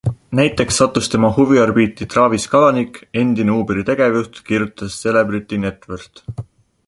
Näiteks sattus tema huviorbiiti Travis Kalanick, endine Uberi tegevjuht, kirjutas CelebrityNetworth.